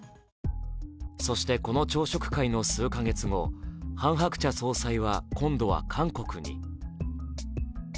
そしてこの朝食会の数か月後、ハン・ハクチャ総裁は今度は韓国に。